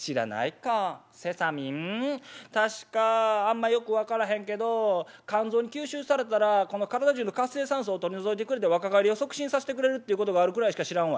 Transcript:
確かあんまよく分からへんけど肝臓に吸収されたら体じゅうの活性酸素を取り除いてくれて若返りを促進させてくれるっていうことがあるくらいしか知らんわ」。